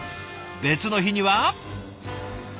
別の日には。